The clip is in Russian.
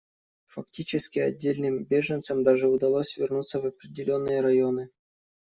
Фактически отдельным беженцам даже удалось вернуться в определенные районы.